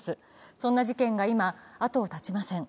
そんな事件が今、後を絶ちません。